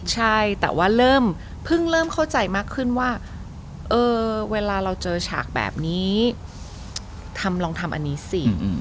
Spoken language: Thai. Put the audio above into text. ใช่แต่ว่าเริ่มเพิ่งเริ่มเข้าใจมากขึ้นว่าเวลาเราเจอฉากแบบนี้ทำลองทำอันนี้สิ